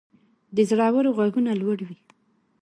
د زړورو ږغونه لوړ وي.